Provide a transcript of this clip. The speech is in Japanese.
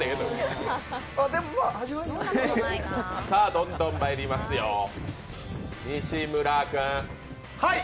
どんどんまいりますよ、西村君。